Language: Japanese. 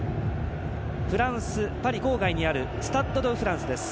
フランス・パリ郊外にあるスタッド・ド・フランスです。